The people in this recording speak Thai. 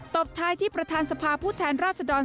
ตบท้ายที่ประธานสภาพผู้แทนราชดร